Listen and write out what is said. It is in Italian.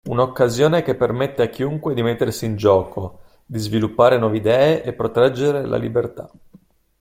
Una occasione che permette a chiunque di mettersi in gioco, di sviluppare nuove idee e proteggere la libertà.